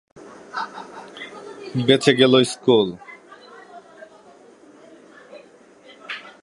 বেঁচে গেল স্কুল।